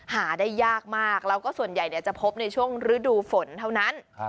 หาได้ยากมากแล้วก็ส่วนใหญ่จะพบในช่วงฤดูฝนเท่านั้น